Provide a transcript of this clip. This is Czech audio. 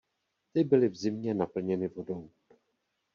Ty byly v zimě naplněny vodou.